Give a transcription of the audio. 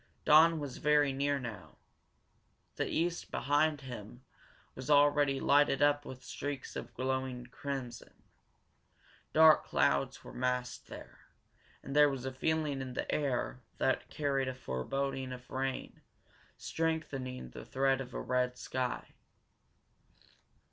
Dawn was very near now. The east, behind him, was already lighted up with streaks of glowing crimson. Dark clouds were massed there, and there was a feeling in the air that carried a foreboding of rain, strengthening the threat of the red sky.